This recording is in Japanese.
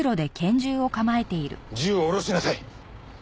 銃を下ろしなさい。